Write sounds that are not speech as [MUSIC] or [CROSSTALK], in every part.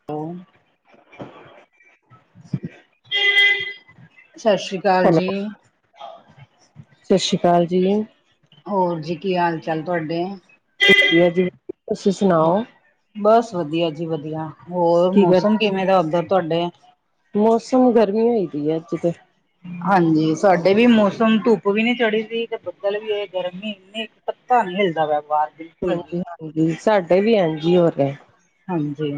ਸਤਿ ਸ਼੍ਰੀ ਅਕਾਲ। ਸ਼ਤ ਕਾਲ ਹੈਲੋ, ਜੀ। ਸਤਿ ਸ਼੍ਰੀ ਅਕਾਲ ਜੀ ਹੋਰ ਜੀ ਕੀ ਹਾਲ ਚਾਲ ਤੁਹਾਡੇ। ਵਧੀਆ ਜੀ ਤੁਸੀਂ ਸੁਣਾਓ? ਬਸ ਵਧੀਆ ਜੀ ਵਧੀਆ ਹੋਰ ਕੀ ਕਰ ਮੌਸਮ ਕਿਵੇਂ ਦਾ ਅੰਦਰ ਤੁਹਾਡੇ। ਮੌਸਮ ਗਰਮੀ ਹੋ ਦੀ ਹੈ ਅੱਜ ਤੇ ਹਾਂਜੀ ਸਾਡੇ ਵੀ ਮੌਸਮ ਧੁੱਪ ਵੀ ਨੀ ਚੜ੍ਹੀ ਸੀ ਤੇ ਬੱਦਲ ਵੀ ਇਹਏ ਗਰਮੀ ਇਨੀ। ਪਤਾ ਨਹੀਂ ਹਿਲਦਾ ਵਪਾਰ ਹਾਂਜੀ ਹਾਂਜੀ ਸਾਡੇ ਵੀ ਐਜੀ ਹੋ ਰਹੇ। ਹਾਂਜੀ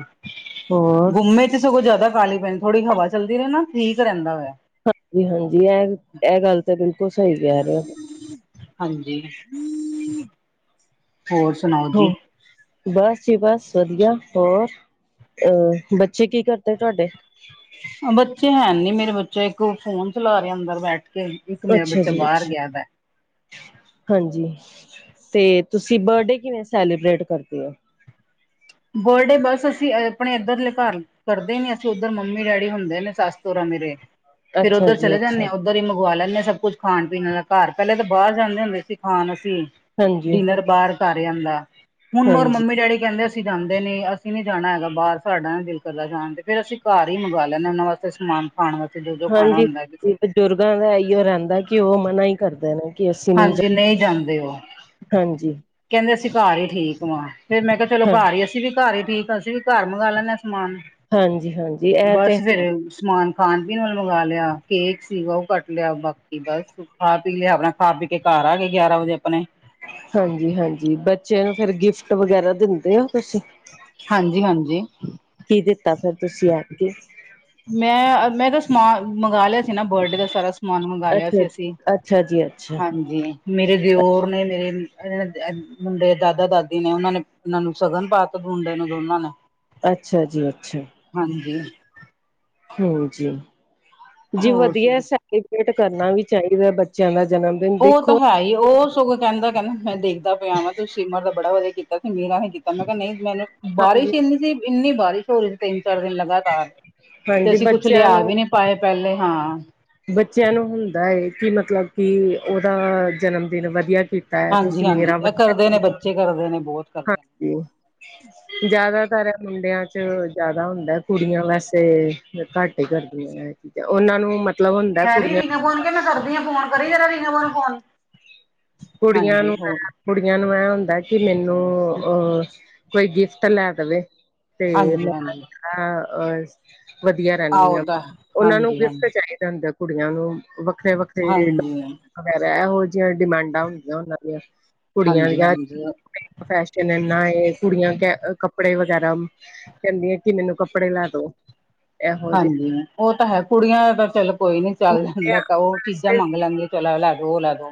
ਗੁੰਮੇ ਸਗੋਂ ਜ਼ਿਆਦਾ ਖੀ ਪਏ ਥੋੜੀ ਹਵਾ ਚੱਲਦੀ ਰਹੇ ਨਾ ਠੀਕ ਰਹਿੰਦਾ ਹੋਇਆ। ਹਾਂਜੀ ਹਾਂਜੀ ਇਹ ਇਹ ਗੱਲ ਤੇ ਬਿਲਕੁਲ ਸਹੀ ਕਹਿ ਰਹੇ। ਹਾਂਜੀ ਹੋਰ ਸੁਣਾਓ ਹੋ। ਜੀ? ਬਸ ਜੀ ਬਸ ਵਧੀਆ ਹੋਰ ਅ ਬੱਚੇ ਕੀ ਕਰਦੇ ਤੁਹਾਡੇ ਬੱਚੇ ਹੈ ਨੀ ਮੇਰੇ ਬੱਚੇ ਇੱਕ ਫੋਨ ਚਲਾ ਰਹਾ ਅੰਦਰ ਬੈਠ ਕੇ ਇੱਕ ਮੇਰਾ ਅੱਛਾ ਬੱਚਾ ਜੀ ਬਾਹਰ ਅੱਛਾ ਗਿਆ ਦਾ। ਹਾਂਜੀ ਤੇ ਤੁਸੀਂ ਬਰਡੇ ਕਿਵੇਂ ਸੈਲੀਬ੍ਰੇਟ ਕਰਦੇ ਹੋ। ਬੋਲਡੇ ਬਸ ਅਸੀਂ ਆਪਣੇ ਇੱਧਰਲੇ ਭਰ ਲ ਕਰਦੇ ਨੀ ਅਸੀਂ ਉੱਧਰ ਮੰਮੀ ਡੈਡੀ ਹੁੰਦੇ ਨੇ ਸੱਸ ਸੋਰਾ ਮੇਰੇ ਫੇਰ ਅੱਛਾ ਉੱਧਰ ਜੀ ਚਲੇ ਜਾਂਦੇ ਅੱਛਾ, ਹਾਂ। ਉੱਧਰ ਹੀ ਮੰਗਵਾ ਲੈਂਦੇ ਹਾਂ ਸਭ ਕੁੱਝ ਖਾਣ ਪੀਣ ਵਾਲ ਦਾ ਘਰ ਪਹਿਲੇ ਤਾਂ ਬਾਹਰ ਜਾਂਦੇ ਹੁੰਦੇ ਸੀ ਖਾਣ ਅਸੀਂ ਹਾਂਜੀ-ਹਾਂਜੀ। ਡਿਨਰ ਬਾਹਰ ਕਰੇ ਅਦਾ ਐ। ਹੁਣ ਮਰ ਮੰਮੀ ਡੈਡੀ ਕਹਿੰਦੇ ਅਸੀਂ ਜਾਂਦੇ ਨੀ ਅਸੀਂ ਨਹੀਂ ਜਾਣਾ ਹੈਗਾ। ਬਾਹਰ ਸਾਡਾ ਨਾ ਦਿਲ ਕਰਦਾ ਜਾਣ ਤੇ, ਫਿਰ ਅਸੀਂ ਘਰ ਹੀ ਮੰਗਵਾ ਲੈਂਦੇ ਉਹਨਾਂ ਵਾਸਤੇ ਸਮਾਨ। ਖਾਣ ਵਾਸਤੇ ਜੋ ਜੋ ਖਾਣਾ ਹਾਂਜੀ। ਹੁੰਦਾ ਕਿਸੇ ਨੇ। ਬਜ਼ੁਰਗਾਂ ਦਾ ਇਹੀ ਓ ਰਹਿੰਦਾ ਕਿ, ਉਹ ਮਨਾ ਹੀ ਕਰਦੇ ਨੇ ਕਿ ਅਸੀਂ ਹਾਂਜੀ ਜਾ ਨਹੀਂ ਜਾਂਦੇ ਉਹ ਹਾਂਜੀ ਕਹਿੰਦੇ ਅਸੀਂ ਘਰ ਹੀ ਠੀਕ ਹਾਂ, ਫੇਰ ਮੈਂ ਕਿਹਾ ਚਲੋ ਹਾਂ ਘਰ ਹੀ ਅਸੀਂ ਵੀ ਘਰ ਹੀ ਠੀਕ ਹਾਂ ਅਸੀਂ ਵੀ ਘਰ ਮੰਗਵਾ ਲੈਂਦਾ ਸਮਾਨ। ਹਾਂਜੀ ਹਾਂਜੀ ਇਹ ਬਸ ਤੇ ਫੇਰ ਹੈ ਸਮਾਨ ਖਾਣ ਪੀਣ ਨਾਲ ਮੰਗਵਾ ਲਿਆ। ਕੇਕ ਸੀਗਾ ਉਹ ਕੱਟ ਲਿਆ। ਬਾਕੀ ਬਸ ਖਾ ਪੀ ਲਿਆ ਆਪਣਾ ਖਾ ਪੀ ਕੇ ਘਰ ਆ ਗਏ, ਗਿਆਰਾਂ ਵਜੇ ਆਪਣੇ ਹਾਂਜੀ ਹਾਂਜੀ। ਬੱਚੇ ਨੂੰ ਫਿਰ ਗਿਫਟ ਵਗੈਰਾ ਦਿੰਦੇ ਐ ਕੁਝ ਹਾਂਜੀ ਹਾਂਜੀ ਕੀ ਦਿੱਤਾ ਫੇਰ ਤੁਸੀਂ ਆ ਕੇ। ਮੈਂ- ਮੈਂ ਤਾਂ ਸਮਾਨ ਮੰਗਵਾ ਲਿਆ ਸੀ। ਨਾ ਬਰਡੇ ਦਾ ਸਾਰਾ ਸਮਾਨ ਮੰਗ ਲਿਆ ਅੱਛਾ ਸੀ ਅਸੀਂ ਅੱਛਾ ਜੀ ਅੱਛਾ ਹਾਂਜੀ। ਮੇਰੇ ਦੇਓਰ ਨੇ ਮੇਰੇ ਮੁੰਡੇ ਦਾਦਾ-ਦਾਦੀ ਨੇ, ਉਹਨਾਂ ਨੇ ਇਹਨਾਂ ਨੂੰ ਸ਼ਗਨ ਪਾਤਾ ਮੁੰਡੇ ਦੇ ਦੋਨਾਂ ਨੇ ਅੱਛਾ ਜੀ ਅੱਛਾ। ਹਾਂਜੀ ਹੂੰ ਜੀ। ਜੀ ਹੋਰ ਵਧੀਆ ਸੁਣਾ ਸੈਲੀਬ੍ਰੇਟ ਕਰਨਾ ਵੀ ਚਾਹੀਦਾ ਬੱਚਿਆਂ ਦਾ ਜਨਮ ਦਿਨ ਉਹ ਤਾਂ ਦੇਖੋ ਹੈ ਹੀ ਏ। ਉਹ ਸਗੋ ਕਹਿੰਦਾ-ਕਹਿੰਦਾ ਮੈਂ ਦੇਖਦਾ ਪਿਆਵਾਂ ਤੇ ਸਿਮਰ ਦਾ ਬੜਾ ਵਧੀਆ ਕੀਤਾ ਸੀ ਮੇਰਾ ਹ ਕੀਤਾ ਮੈਂ ਕਿਹਾ ਨਹੀਂ ਮੈਨੂੰ, ਬਾਰਿਸ਼ ਹਾਂਜੀ ਸੀ ਇੰਨੀ ਬਾਰਿਸ਼ ਹੋ ਰਹੀ ਸੀ। ਤਿੰਨ-ਚਾਰ ਦਿਨ ਲਗਾਤਾਰ। ਤੇ ਹਾਂਜੀ ਅਸੀਂ ਕੁਛ ਬੱਚਿਆਂ ਲਿਆ ਨੂੰ ਵੀ ਨਹੀਂ ਪਾਏ ਪਹਿਲੇ ਉਨ੍ਹਾਂ ਨੇ। ਬੱਚਿਆਂ ਨੂੰ ਹੁੰਦਾ ਹੈ ਕਿ ਮਤਲਬ ਕਿ ਉਹਦਾ ਜਨਮ ਦਿਨ ਵਧੀਆ ਕੀਤਾ। ਹੈ ਤੇ, ਹਾਂਜੀ ਸਿਮਰਨ ਹਾਂਜੀ ਨਾਲ ਇਹ ਵੱਡਾ ਕਰਦੇ ਨੇ ਬੌਬੀ ਬੱਚੇ ਕਰਦੇ ਨੇ ਬਹੁਤ ਕਰਦੇ ਘੱਟ ਨੇ ਨੀ ਉਹ। ਜ਼ਿਆਦਾਤਰ ਮੁੰਡਿਆਂ ਚ ਜ਼ਿਆਦਾ ਹੁੰਦਾ। ਕੁੜੀਆਂ ਵੈਸੇ ਘੱਟ ਹੀ ਕਰਦੀਆਂ। ਤੇ ਉਹਨਾਂ ਨੂੰ ਵੀ ਮਤ। ਹੈਰੀ ਰੀਨਾ ਨੂ ਕਹਿ ਮੈਂ ਕਰਦੀ ਆ ਫੋਨ, ਕਰੀ ਜਰਾ ਰੀਨਾ ਨੂੰ ਫੋਨ। ਕੁੜੀਆਂ ਹਾਂਜੀ ਨੂੰ। ਹੋਰ ਕੁੜੀਆਂ ਨੂੰ ਇਹ ਹੁੰਦਾ ਕਿ ਮੈਨੂੰ, ਕੋਈ ਗਿਫਟ ਲੈ ਦੇਵੇ। ਤੇ ਹਾਂਜੀ ਹਾਂਜੀ ਮੈਂੜਾ ਅਹ ਵਧੀਆ ਆਹੋ ਰਹਿੰਦੀਆ ਹਨ। ਤਾਂ ਉਹਨਾਂ ਨੂੰ ਹਾਂਜੀ ਗਿਫਟ ਹਾਂਜੀ ਚਾਹੀਦਾ। ਹੁੰਦਾ ਕੁੜੀਆਂ ਨੂੰ ਵੱਖਰੇ- ਵੱਖਰੇ ਹਾਂਜੀ ਵਗੈਰਾ ਇਹੋ ਜਿਹੀਆਂ ਡਿਮਾਂਡ। ਆ ਹੁੰਦੀਆਂ ਉਹਨਾਂ ਦੀਆ ਕੁੜੀਆਂ ਹਾਂਜੀ ਦੀਆਂ। ਹਾਂਜੀ ਫੈਸ਼ਨ ਇਨਾ ਇਹ ਕੀ ਕੁੜੀਆਂ ਕਹਿਣ ਕੱਪੜੇ ਵੇਂਗੇਰਾ। ਕਹਿੰਦੀ ਆ ਕਿ ਮੈਨੂੰ ਕੱਪੜੇ ਲੈ ਦੋ। ਇਹੋ ਜਿਹੇ ਹਾਂਜੀ ਉਹ ਤਾਂ ਹੈ ਕੁੜੀਆਂ ਦਾ ਤਾਂ ਚਲੋ ਕੋਈ ਨੀ, ਚੱਲ ਜਾਂਦਾ ਉਹ ਚੀਜ਼ਾਂ ਵੈਸੇ ਮੰਗ ਲੈਂਦਿਆਂ। ਚਲੋ, ਆ ਲੈਦੋ ਓ ਲਾਦੋ।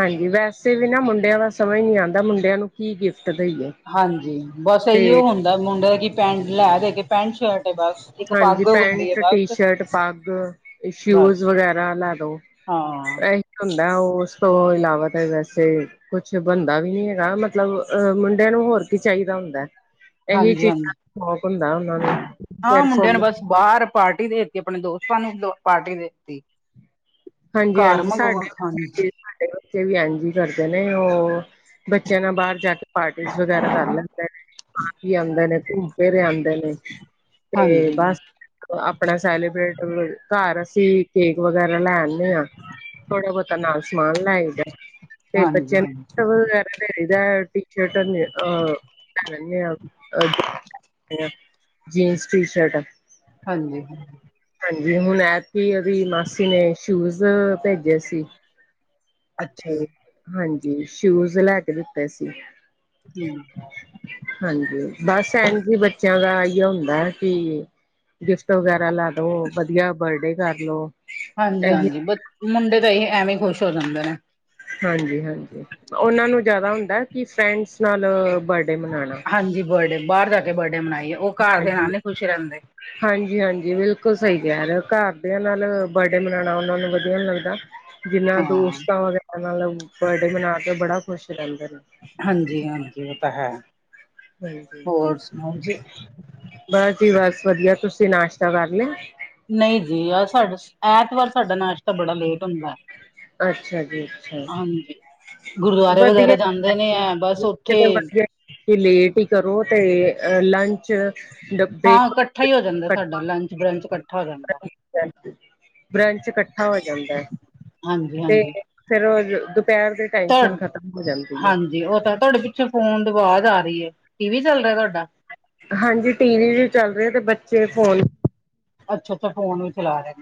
ਹਾਂਜੀ ਵੈਸੇ ਵੀ ਨਾ ਮੁੰਡਿਆਂ ਦਾ ਸਮਝ ਨਹੀਂ ਆਉਂਦਾ, ਮੁੰਡਿਆਂ ਨੂੰ ਕੀ ਗਿਫਟ ਦੇਈਏ। ਹਾਂਜੀ। ਬਸ ਤੇ ਇਹੀਓ ਹੁੰਦਾ ਮੁੰਡੇ ਦੀ, ਪੈਂਟ ਲੈਦੋ ਪੈਂਟ ਸ਼ਰਟ ਹੈ ਬਸ। ਇੱਕ ਹਾਂਜੀ, ਪੱਗ ਹੁੰਦੀ ਹੈ ਪੈਂਟ ਟੀ ਬਸ ਸ਼ਰਟ ਪੱਗ ਸ਼ੂਜ ਬਸ ਵਗੈਰਾ ਲੈਦੋ। ਹਾਂ ਇਹੀ ਹੁੰਦਾ ਉਸ ਤੋਂ ਇਲਾਵਾ ਤਾਂ ਵੈਸੇ। ਕੁਛ ਬਣਦਾ ਵੀ ਨੀ ਹੈਗਾ ਮਤਲਬ ਆ ਮੁੰਡਿਆਂ ਨੂੰ ਹੋਰ ਕੀ ਚਾਹੀਦਾ ਹੁੰਦਾ। ਇਹੀ ਹਾਂਜੀ ਹਾਂਜੀ ਚੀਜ਼ਾਂ, ਦਾ ਸ਼ੌਕ ਹੁੰਦਾ ਉਹਨਾਂ ਨੂੰ। ਹਾਂ। ਫਿਰ ਮੁੰਡਿਆਂ ਨੇ ਫੋਨ ਬਸ ਬਾਹਰ ਪਾਰਟੀ ਦੇ ਦਿੱਤੀ ਆਪਣੇ ਦੋਸਤਾਂ ਨੂੰ ਪਾਰਟੀ ਦੇ ਦਿੱਤੀ। ਹਾਂਜੀ ਹਾਂਜੀ ਸਾਡੇ ਬੱਚੇ ਜੀਂਦ ਨੀ ਕਰਦੇ। ਬੱਚੇ ਵੀ ਐਨਜੀਂ ਕਰਦੇ ਨੇ ਉਹ, ਬੱਚਿਆਂ ਨਾਲ ਬਾਹਰ ਜਾ ਕੇ ਪਾਰਟੀ ਵਗੈਰਾ। ਕਰ ਲੈਂਦੇ ਨੇ ਜੀ, ਆਉਂਦੇ ਨੇ ਘੁੰਮ ਕੇ ਫੇਰੇ ਆਉਂਦੇ ਨੇ ਤੇ ਹਾਂਜੀ ਬਸ। ਆਪਣਾ ਸੈਲੀਬ੍ਰੇਟ, ਤੇ ਘਰ ਅਸੀਂ ਕੇਕ ਵਗੈਰਾ ਲਿਆਂ। ਮੋ ਥੋੜਾ ਬਹੁਤਾ ਨਾਲ ਸਮਾਨ ਲਾਏ ਜਾ ਤੇ, ਹਾਂਜੀ ਬੱਚੇ ਹਾਂਜੀ ਵਗੈਰ। ਲੈ ਆਇਦਾ ੲਏ, ਟੀ ਸ਼ਰਟ ਅਨ। ਜੀਨਸ ਟੀ ਸਰਤਾ। ਹਾਂਜੀ, ਹਾਂ। ਹਾਂਜੀ। ਹੁਣ ਐਸੀ ਉਹਦੀ ਮਾਸੀ ਨੇ ਸ਼ੂਜ ਭੇਜੇ ਸੀ। ਅੱਛਾ, ਤੇ ਜੀ। ਹਾਂਜੀ ਸ਼ੂਜ ਲੈ ਕੇ ਦਿੱਤੇ ਸੀ। ਹੂੰ। ਹਾਂਜੀ ਬਸ ਐਨਜੀ ਬੱਚਿਆਂ ਦਾ ਇ ਹੁੰਦਾ ਕਿ। ਗਿਫਟ ਵਗੈਰਾ ਲੇਲੋ ਵਧੀਆ ਬਰਡੇ ਕਰ ਲੋ। ਹਾਂਜੀ ਇਹੀ ਹਾਂਜੀ ਬਹੁਤ ਮੁੰਡੇ ਤਾਂ ਐਵੇਂ ਖੁਸ਼ ਹੋ ਜਾਂਦੇ ਨੇ। ਹਾਂਜੀ ਹਾਂਜੀ, ਉਹਨਾਂ ਨੂੰ ਜ਼ਿਆਦਾ ਹੁੰਦਾ ਕਿ ਫਰੈਂਡਸ ਨਾਲ ਬਰਡੇ ਮਨਾਉਣਾ। ਹਾਂਜੀ ਬਰਡੇ ਬਾਹਰ ਜਾ ਕੇ ਬਰਡੇ ਮਨਾਈਏ। ਉਹ ਘਰ ਦੇ ਹਾਂਜੀ। ਨਾਲ ਨੀ ਖੁਸ਼ ਰਹਿੰਦੇ ਹਾਂਜੀ ਹਾਂਜੀ ਬਿਲਕੁਲ ਸਹੀ ਕਿਹਾ ਘਰਦਿਆਂ ਦੇ ਨਾਲ ਬਰਡੇ ਮਨਾਉਣਾ ਉਹਨਾਂ ਨੂੰ ਵਧੀਆ ਨੀਂ ਲੱਗਦਾ। ਏਹਨਾਂ ਹਾਂ ਦੋਸਤਾਂ ਨਾਲ ਬਰਡੇ ਮਨਾ ਕੇ ਬੜਾ ਖੁਸ਼ ਰਹਿੰਦੇ ਨੇ। ਹਾਂਜੀ ਹਾਂਜੀ, ਉਹ ਤਾਂ ਹੈ ਹਾਂਜੀ ਹੋਰ ਸੁਣਾਓ ਜੀ। ਬਸ ਜੀ ਬਸ ਵਧੀਆ ਤੁਸੀਂ ਨਾਸ਼ਤਾ ਕਰ ਲਿਆ। ਨਹੀਂ ਜੀ ਐਤਵਾਰ ਸਾਡਾ ਨਾਸ਼ਤਾ ਬੜਾ ਲੇਟ ਹੁੰਦਾ। ਅੱਛਾ ਜੀ, ਅੱਛਾ ਹਾਂਜੀ। ਜੀ। ਗੁਰਦੁਆਰੇ ਵਗੈਰਾ ਵਧੀਆ ਜੀ ਜਾਂਦੇ ਨੇ ਹੈ ਬਸ ਵਧੀਆ। ਉੱਥੇ ਤੁਸੀਂ ਨਾਸਤਾ ਲੇਟ ਹੀ ਕਰੋ ਤੇ ਲੰਚ ਯਾ ਬ੍ਰੇਕ। ਇਹੀਓ ਹੀ ਹੋ ਜਾਂਦਾ ਸਾਡਾ ਲੰਚ ਬਰੰਚ ਇਕੱਠਾ। ਹੋ ਜਾਂਦਾ ਬ੍ਰੈਂਚ ਇਕੱਠਾ ਹੋ ਜਾਂਦਾ ਹੈ, ਹਾਂਜੀ ਤੇ ਫੇਰ ਦੁਪਹਿਰ ਦੇ ਹਾ, ਹਾਂਜੀ ਉਹ ਤਾਂ ਤੁਹਾਡੇ ਪਿੱਛੋਂ ਫੋਨ ਦੀ ਅਵਾਜ਼ ਆ ਰਹੀ ਹੈ, ਟੀਵੀ ਚੱਲ ਰਿਹਾ ਤੁਹਾਡਾ? ਹਾਂਜੀ, ਟੀਵੀ ਵੀ ਚੱਲ ਰਹੇ ਆ, ਤੇ ਬੱਚੇ ਫੋਨ ਅੱਛਾ, ਛਾ ਫੋਨ ਵੀ ਚਲਾ ਰਹੇ।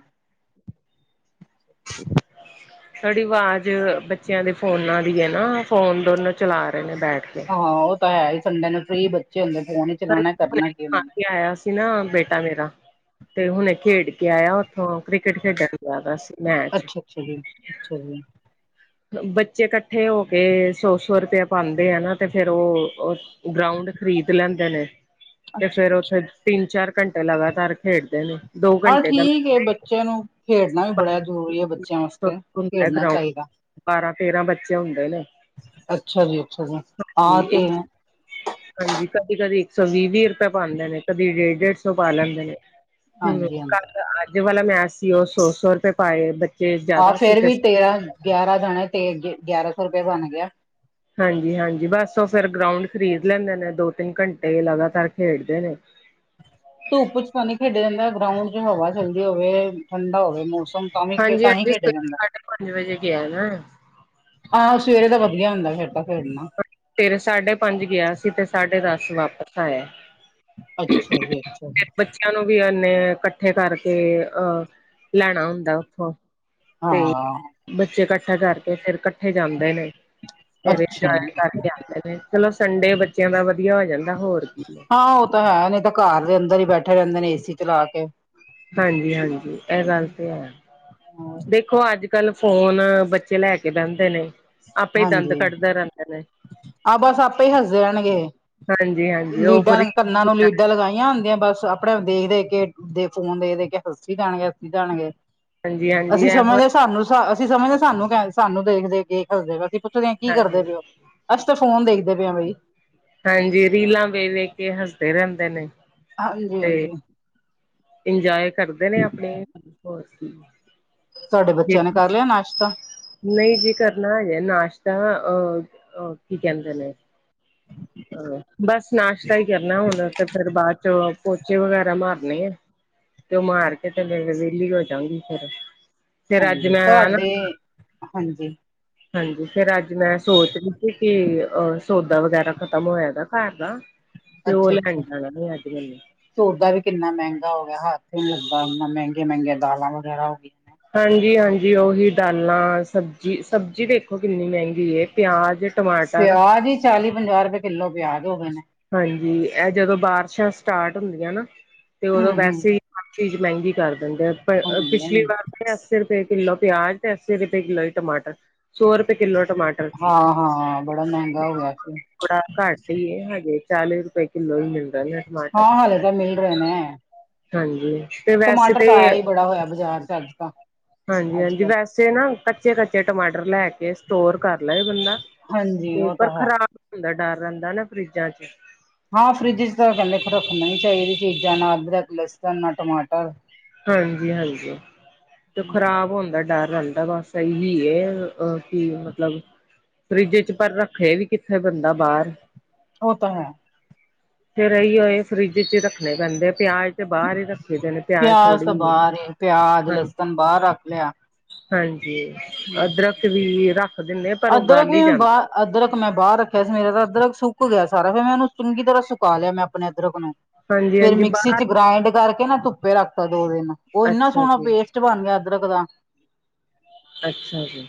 [INAUDIBLE] ਤੁਹਾੜੀ ਆਵਾਜ਼ ਬੱਚਿਆਂ ਦੇ ਫੋਨਾਂ ਦੀ ਹੈ ਨਾ, ਫੋਨ ਦੋਨੋਂ ਚਲਾ ਰਹੇ ਨੇ ਬੈਠਕੇ। ਹਾਂ, ਉਹ ਤਾਂ ਹੈਹੀ, ਸੰਡੇ ਨੂੰ ਫ੍ਰੀ ਬੱਚੇ ਹੁੰਦੇ, ਫੋਨ ਹੀ ਹਾਂਜੀ ਚਲਾਣਾ ਹੁਣੇ ਕਰਨਾ ਕੀ ਖਾ ਉਹਨਾਂ ਨੇ। ਕੇ ਆਇਆ ਨਾ ਬੇਟਾ ਮੇਰਾ, ਤੇ ਹੁਣੇ ਖੇਡਕੇ ਆਇਆ। ਉੱਥੋਂ ਕ੍ਰਿਕਟ ਖੇਡਣ ਜ਼ਿਆਦਾ ਸੀ, ਮੈਚ ਅੱਛਾ ਅੱਛਾ ਜੀ, ਅੱਛਾ ਜੀ। ਬੱਚੇ ਇਕੱਠੇ ਹੋਕੇ ਸੋ-ਸੋ ਰੁਪਇਆ ਪਾਂਦੇ ਆ ਨਾ, ਤੇ ਫੇਰ ਉਹ ਗ੍ਰਾਉਂਡ ਖਰੀਦ ਲੈਂਦੇ ਨੇ। ਤੇ ਅੱਛਾ ਫੇਰ ਅੱਛਾ। ਉੱਥੇ, ਤਿੰਨ-ਚਾਰ ਘੰਟੇ ਲਗਾਤਾਰ ਖੇਡਦੇ ਨੇ। ਦੋ ਆਂ ਘੰਟੇ ਦਾ ਠੀਕ ਏ ਬੱਚਿਆਂ ਨੂੰ, ਖੇਡਣਾ ਵੀ ਬੜਾ ਜ਼ਰੂਰੀ ਹੈ ਬੱਚਿਆਂ ਵਾਸਤੇ, ਹੁੰਦਾ ਖੇਡਣਾ ਗਰਾਊਂਡ ਚਾਹੀਦਾ। ਬਾਰਾਂ-ਤੇਰਾਂ ਬੱਚੇ ਹੁੰਦੇ ਨੇ। ਅੱਛਾ ਜੀ-ਅੱਛਾ ਜੀ, ਆਹ ਤੇ ਹਾਂਜੀ, ਕਦੀ-ਕਦੀ ਇੱਕ ਸੌ ਵੀਹ-ਵੀਹ ਰੁਪਏ ਪਾਂਦੇ ਨੇ, ਕਦੀ ਡੇਢ-ਡੇਢ ਸੋ ਪਾ ਲੈਂਦੇ ਨੇ। ਹੂੰ, ਹਾਂਜੀ ਹਾਂਜੀ ਕੱਲ, ਅੱਜ ਵਾਲਾ ਮੈਚ ਸੀ ਉਹ ਸੋ-ਸੋਰੁਪਏ ਪਾਏ ਬੱ ਆਹ ਫੇਰ ਵੀ ਤੇਰਾਂ, ਗਿਆਰਾਂ ਜਾਣੇ ਤੇ ਗਿਆਰਾਂ ਸੌ ਰੁਪਏ ਬਣ ਗਿਆ। ਹਾਂਜੀ-ਹਾਂਜੀ, ਬਸ ਉਹ ਫਿਰ ਗ੍ਰਾਉਂਡ ਖਰੀਦ ਲੈਂਦੇ ਨੇ, ਦੋ-ਤਿੰਨ ਘੰਟੇ ਲਗਾਤਾਰ ਖੇਡਦੇ ਨੇ। ਧੁੱਪ'ਚ ਤਾ ਨੀ ਖੇਡਿਆ ਜਾਂਦਾ, ਗ੍ਰਾਉਂਡ'ਚ ਹਵਾ ਚਲਦੀ ਹੋਵੇ, ਠੰਡਾ ਹੋਵੇ ਮੌਸ ਹਾਂਜੀ-ਹਾਂਜੀ, ਸਵੇਰੇ ਸਾਢੇ ਪੰਜ ਵਜੇ ਗਿਆ ਨਾ। ਆਹ, ਸਵੇਰੇ ਦਾ ਵਧੀਆ ਹੁੰਦਾ ਫੇਰ ਤਾਂ ਖੇਡਨਾ। ਫਿਰ ਸਾਢੇ-ਪੰਜ ਗਿਆ ਸੀ, ਤੇ ਸਾਢੇ-ਦੱਸ ਵਾਪਸ ਆਇਆ। ਅੱਛਾ ਜੀ, ਅੱਛਾ ਫਿਰ ਜੀ। ਬੱਚਿਆਂ ਨੂੰ ਵੀ ਇਨੇ ਇਕੱਠੇ ਕਰਕੇ, ਅਹ ਲੈਣਾ ਹੁੰਦਾ ਉੱਥੋਂ। ਤੇ, ਹਾਂ ਬੱਚੇ ਇਕੱਠਾ ਕਰਕੇ, ਫਿਰ ਇਕੱਠੇ ਜਾਂਦੇ ਨੇ। ਫਿਰ ਅੱਛਾ ਜੀ ਇੰਜੋਏ ਕਰਕੇ ਆਂਦੇ ਨੇ। ਚਲੋ, ਸੰਡੇ ਬੱਚਿਆਂ ਦਾ ਵਧੀਆ ਹੋ ਜਾਂਦਾ, ਹੋਰ ਕੀ। ਹਾਂ, ਉਹ ਤਾ‌ ਹੈ ਨਹੀਂ ਤਾਂ ਘਰ ਦੇ ਅੰਦਰ ਹੀ ਬੈਠੇ ਰਹਿੰਦੇ ਨੇ, ਏਸੀ ਚਲਾਕੇ। ਹਾਂਜੀ-ਹਾਂਜੀ, ਐ ਗੱਲ ਤੇ ਹੈ। ਦੇਖੋ, ਅੱਜ-ਕੱਲ ਫੋਨ ਬੱਚੇ ਲੈਕੇ ਬਹਿੰਦੇ ਨੇ। ਆਪੇ ਹੀ ਦੰਦ ਹਾਂਜੀ ਕੱਢਦੇ ਰਹਿੰਦੇ ਨੇ। ਆਹ ਬਸ, ਆਪੇ ਹੀ ਹੱਸਦੇ ਰਹਿਣਗੇ। ਹਾਂਜੀ ਹਾਂਜੀ ਉਹ ਫਿਰ ਲੀਡਾਂ ਕੰਨਾਂ ਨੂੰ ਲੀਡਾਂ ਲਗਾਈਆਂ ਹੁੰਦੀਆਂ, ਬਸ। ਆਪਣੇ ਦੇਖ-ਦੇਖਕੇ ਦੇ, ਫੋਨ ਦੇਖ-ਦੇਖਕੇ ਹੱਸੀ ਜਾਣਗੇ, ਹੱਸੀਂ ਜਾਣਗੇ, ਹਾਂਜੀ ਹਾਂਜੀ ਅਸੀਂ ਇਹੋ ਸਮਝਦੇ ਹਾਂ ਸਾਨੂੰ ਸ੍ਹਾ, ਅਸੀਂ ਸਮਝਦੇ ਸਾਨੂੰ ਕ ਸਾਨੂੰ ਦੇਖ-ਦੇਖਕੇ ਹਸਦੇ ਪੲਏ, ਅਸੀਂ ਪੁੱਛਦੇ ਹਾਂ ਕੀ ਏ ਕਰਦੇ ਹਾਂਜੀ ਪਏ ਓ? ਅਸੀ ਤੇ ਫੋਨ ਦੇਖਦੇ ਪਏ ਆਂ ਬਈ। ਹਾਂਜੀ, ਰੀਲਾਂ ਵੇਖ-ਵੇਖਕੇ ਹੱਸਦੇ ਰਹਿੰਦੇ ਨੇ। ਤੇ ਹਾਂਜੀ-ਹਾਂਜੀ। ਇੰਜੋਏ ਕਰਦੇ ਨੇ, ਆਪਣੇ ਹੋਰ ਕੀ। ਤੁਹਾਡੇ ਜੇ ਬੱਚਿਆਂ ਨੇ ਕਰਲਿਆ ਨਾਸ਼ਤਾ? ਨਹੀਂ ਜੀ ਕਰਨਾ ਹਜੇ ਨਾਸ਼ਤਾ, ਅ, ਅ ਕੀ ਕਹਿੰਦੇ ਨੇ ਹ [INAUDIBLE] ਬਸ, ਨਾਸ਼ਤਾ ਹੀ ਕਰਨਾ ਹੁਣ, ਤੇ ਫੇਰ ਬਾਅਦ'ਚ ਪੋਚੇ ਵਗੈਰਾ ਮਾਰਨੇ ਆ। ਤੇ, ਓ ਮਾਰਕੇ ਤੇ ਫਿਰ ਵੇਹਲੀ ਹੋ ਜਾਂਗੀ ਫਿਰ। ਫੇਰ ਅੱਜ ਹਾਂਜੀ, ਮੈਂ ਨਾ ਤੁਹਾਡੇ ਹਾਂਜੀ। ਹਾਂਜੀ ਫਿਰ ਅੱਜ ਮੈਂ ਸੋਚ ਰਹੀ ਸੀ ਕਿ, ਅ ਸੌਦਾ ਵਗੈਰਾ ਖਤਮ ਹੋਇਆਦਾ ਘਰਦਾ ਤੇ ਓਹ ਲੈਣ ਜਾਣਾ, ਲੈਕੇ ਆਂਨੀ ਆਂ। ਸੋਦਾ ਵੀ ਕਿੰਨਾ ਮਹਿੰਗਾ ਹੋਗਿਆ, ਹੱਥ ਨੀ ਲਗਦਾ ਇੰਨਾ ਮਹਿੰਗੀਆਂ-ਮਹਿੰਗੀਆਂ ਦਾਲਾਂ ਵਗੈਰਾ ਹੋ ਗੀਆ। ਹਾਂਜੀ ਹਾਂਜੀ ਉਹੀ ਦਾਲਾਂ, ਸਬਜ਼ੀ, ਸਬਜ਼ੀ ਦੇਖੋ ਕਿੰਨੀ ਮਹਿੰਗੀ ਐ, ਪਿਆਜ ਟਮਾਟਰ ਪਿਆਜ ਹੀ ਚਾਲੀ ਪੰਜਾਹ ਰੁਪਏ ਕਿੱਲੋ, ਪਿਆਜ ਹੋ ਗਏ ਨੇ ਹਾਂਜੀ ਇਹ ਜਦੋਂ ਬਾਰਿਸ਼ਾਂ ਸਟਾਰਟ ਹੁੰਦੀਆਂ ਨਾ, ਤੇ ਹਮ ਉਦੋਂ ਹਮ ਵੈਸੇ ਹੀ ਹਰ ਚੀਜ਼ ਮਹਿੰਗੀ ਕਰ ਦਿੰਦੇ, ਆ ਪਰ ਹਾਂਜੀ ਪਿਛਲੀ ਹਾਂਜੀ ਵਾਰ ਅੱਸੀ ਰੁਪਏ ਕਿੱਲੋ ਪਿਆਜ, ਤੇ ਅੱਸੀ ਰੁਪਏ ਕਿਲੋ ਹੀ ਟਮਾਟਰ ਸੌ ਰੁਪਏ ਕਿਲੋ ਟਮਾਟਰ ਸੀ ਹਾਂ ਹਾਂ ਬੜਾ ਮਹਿੰਗਾ ਹੋ ਗਿਆ ਸੀ ਬੜਾ ਘੱਟ ਈ, ਹਜੇ ਚਾਲੀ ਰੁਪਏ ਕਿੱਲੋ ਹੀ ਮਿਲਦਾ ਏ ਟਮਾਟਰ ਹਾਂ ਹਾਲੇ ਤਾਂ ਮਿਲ ਰਹੇ ਨੇ ਹਾਂਜੀ ਤੇ ਵੈਸੇ ਟਮਾਟਰ ਤੇ ਤਾਂ ਆਇਆ ਹੀ ਬੜਾ ਹੋਇਆ ਬਾਜ਼ਾਰ ਚ ਅੱਜ ਤਾਂ ਹਾਂਜੀ ਅੱਜ ਹਾਂਜੀ, ਕੱਲ ਵੈਸੇ ਨਾ ਕੱਚੇ ਕੱਚੇ ਟਮਾਟਰ ਲੈ ਕੇ, ਸਟੋਰ ਕਰ ਲਏ ਬੰਦਾ ਹਾਂਜੀ ਉਹ ਤਾਂ ਹੈ ਹੂੰਦਾ, ਡਰ ਰਹਿੰਦਾ ਨਾ ਫਰਿਜਾਂ ਚ ਹਾਂ ਫਰਿੱਜ ਚ ਤਾਂ ਕਹਦੇ ਰੱਖਣੀ ਨਹੀਂ ਚਾਹੀਦੀਆਂ, ਚੀਜ਼ਾਂ ਨਾ ਅਦਰਕ ਲਸਣ, ਨਾ ਟਮਾਟਰ ਹਾਂਜੀ ਹਾਂਜੀ, ਤੇ ਖ਼ਰਾਬ ਹੋਣ ਦਾ ਡਰ ਰਹਿੰਦਾ ਬਸ ਸਹੀ ਹੈ ਅ ਕਿ ਮਤਲਬ ਫਰਿੱਜ ਚ, ਪਰ ਰੱਖੇ ਵੀ ਕਿੱਥੇ ਬੰਦਾ ਬਾਹਰ ਓ ਤਾਂ ਹੈ ਫਿਰ ਇਹੀਓ ਏ ਫਰਿੱਜ ਚ ਰੱਖਣੇ ਪੈਂਦੇ, ਪਿਆਜ ਤੇ ਬਾਹਰ ਹੀ ਰੱਖੀ ਦੇ ਨੇ, ਪਿਆਜ ਤਾਂ ਕੀ ਏ, ਬਾਹਰ ਪਿਆਜ ਹਾਂਜੀ ਲਸਣ ਬਾਹਰ ਰੱਖ ਲਿਆ ਹਾਂਜੀ ਅਦਰਕ ਅਸੀ ਵੀ ਰੱਖ ਦਿੰਦੇ ਆ, ਪਰ ਉਹ ਅਦਰਕ ਗੱਲ ਹੀ ਵੀ ਮੈਂ ਜਾਂਦਾ ਬਾਹਰ ਅਦਰਕ ਮੈਂ ਬਾਹਰ ਰੱਖਿਆ ਸੀ ਮੇਰਾ ਤਾਂ ਅਦਰਕ ਸੁੱਕ ਗਿਆ ਸਾਰਾ, ਫਿਰ ਮੈਂ ਉਹਨੂੰ ਚੰਗੀ ਤਰ੍ਹਾਂ ਸੁਕਾ ਲਿਆ ਮੈਂ ਆਪਣੇ ਅਦਰਕ ਨੂੰ ਹਾਂਜੀ ਫੇਿਰ ਹਾਂਜੀ ਮਿਕਸੀ ਚ ਬਾਹਰ ਗ੍ਰਾਇੰਡ ਕਰਕੇ ਫਿਰ ਮੈਂ ਧੁੱਪੇ ਰੱਖਤਾ ਦੋ ਦਿਨ, ਉਹ ਇੰਨਾ ਅੱਛਾ ਸੋਹਣਾ ਜੀ ਪੇਸਟ ਬਣ ਗਿਆ ਅਦਰਕ ਦਾ ਅੱਛਾ ਜੀ,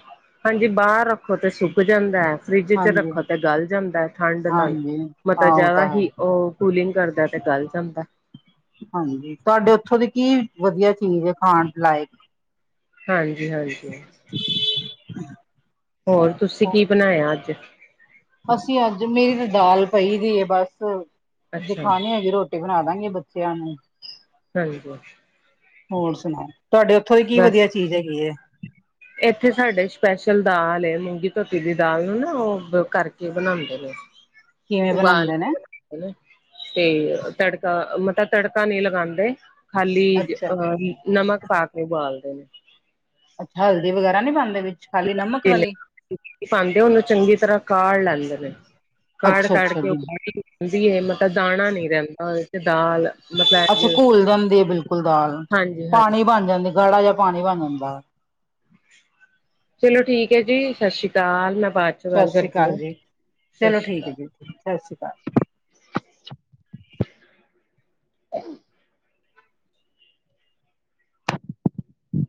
ਹਾਂਜੀ ਬਾਹਰ ਰੱਖੋ ਤੇ ਸੁੱਕ ਜਾਂਦਾ ਹੈ ਫਰਿੱਜ ਚ ਹਾਂਜੀ, ਰੱਖੋ ਤੇ ਗਲ ਜਾਂਦਾ ਹੈ ਠੰਡ ਨਾਲ, ਹਾਂਜੀ ਮਤ ਅ ਹਾਂ ਉਹ ਜ਼ਿਆਦਾ ਤਾਂ ਹੈ ਹੀ ਉਹ ਕੂਲਿੰਗ ਕਰਦਾ, ਤੇ ਗੱਲ ਜਾਂਦਾ ਹਾਂਜੀ ਤੁਹਾਡੇ ਉੱਥੋਂ ਦੀ ਕੀ ਵਧੀਆ ਚੀਜ਼ ਹੈ, ਖਾਣ ਲਾਇਕ ਹਾਂਜੀ ਹਾਂਜੀ ਹੋਰ ਤੁਸੀਂ ਕੀ ਬਣਾਇਆ ਅੱਜ ਅਸੀਂ ਅੱਜ, ਮੇਰੀ ਤਾਂ ਦਾਲ ਪਈ ਦੀ ਹੈ, ਬਸ ਜੇ ਅੱਛਾ ਖਾਨੀ ਹੋੲ ਗੀ ਰੋਟੀ ਤੇ ਬਣਾ ਦਾਂਗੇ ਬੱਚਿਆਂ ਨੂੰ ਹਾਂਜੀ। ਹੋਰ ਸੁਣਾਓ, ਤੁਹਾਡੇ ਉੱਥੋਂ ਦੀ ਕੀ ਬਸ ਵਧੀਆ ਚੀਜ਼ ਹੈਗੀ ਹੈ। ਇੱਥੇ ਸਾਡੇ ਸਪੈਸ਼ਲ ਦਾਲ ਏ, ਮੂੰਗੀ ਧੋਤੀ ਦੀ ਦਾਲ ਨੂੰ ਨਾ ਉਹ ਕਰਕੇ ਬਣਾਉਂਦੇ ਨੇ। ਕਿਵੇਂ ਉਬਾਲ ਬਣਾਉਂਦੇ ਕੇ ਨੇ ਬਣਾਓ ਹੈਨਾ ਤੇ ਤੜਕਾ, ਮਤਲਬ ਤੜਕਾ ਨਹੀਂ ਲਗਾਉਂਦੇ। ਖਾਲੀ ਅੱਛਾ ਅਹ ਨਮਕ ਪਾ ਕੇ ਉਬਾਲਦੇ ਨੇ। ਅੱਛਾ ਹਲਦੀ ਵਗੈਰਾ ਨਹੀਂ ਪਾਉਂਦੇ ਵਿੱਚ, ਖਾਲੀ ਨਮਕ ਵਾਲੀ। ਪਾਉਂਦੇ ਉਹਨੂੰ ਚੰਗੀ ਤਰ੍ਹਾਂ ਕਾੜ ਲੈਂਦੇ ਨੇ, ਕਾੜ ਅੱਛਾ ਕਾਢ ਅੱਛਾ ਕੇ ਉਹ। ਜੀ ਕਿੰਜਦੀ ਐ, ਮਤਲਬ ਦਾਣਾ ਨੀ ਰਹਿੰਦਾ ਉਹਦੇ ਚ, ਦਾਲ। ਮਤਲਬ ਅੱਛਾ ਐ ਘੁਲ ਜਾਂਦੀ ਏ ਬਿਲਕੁਲ ਦਾਲ, ਹਾਂਜੀ ਪਾਣੀ ਹਾਂਜੀ ਬਣ ਜਾਂਦੀ ਗਾੜਾ ਜਿਹਾ ਪਾਣੀ ਬਣ ਜਾਂਦਾ। ਚਲੋ ਠੀਕ ਹੈ ਜੀ, ਸਤਿ ਸ਼੍ਰੀ ਅਕਾਲ, ਮੈਂ ਬਾਦ। ਸਤਿ ਸ਼੍ਰੀ ਅਕਾਲ ਜੀ, ਚਲੋ ਠੀਕ ਹੈ ਅਕਾਲ ਜੀ, ਸਤਿ ਸ਼੍ਰੀ ਅਕਾਲ। [UNINTELLIGIBLE]